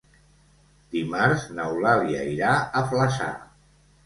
Dimarts n'Eulàlia irà a Flaçà.